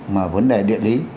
mà vấn đề địa lý